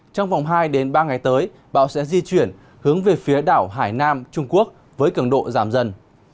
trong vòng hai ba ngày tới bão sẽ di chuyển hướng về phía đảo hải nam trung quốc với cường độ giảm dần